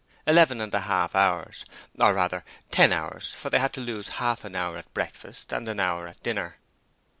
eleven and a half hours or, rather, ten hours, for they had to lose half an hour at breakfast and an hour at dinner.